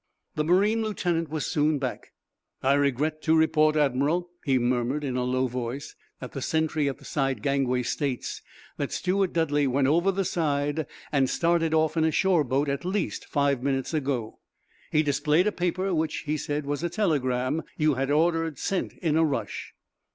The marine lieutenant was soon back. "I regret to report, admiral," he murmured, in a low voice, "that the sentry at the side gangway states that Steward Dudley went over the side and started off in a shore boat at least five minutes ago. He displayed a paper which he said was a telegram you had ordered sent in a rush."